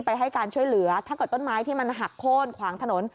ให้การช่วยเหลือถ้าเกิดต้นไม้ที่มันหักโค้นขวางถนน